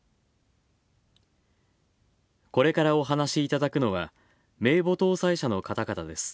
これからお話しいただくのは、名簿登載者の方々です。